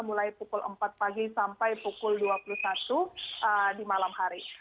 mulai pukul empat pagi sampai pukul dua puluh satu di malam hari